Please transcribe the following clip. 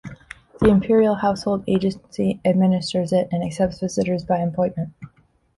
The Imperial Household Agency administers it, and accepts visitors by appointment.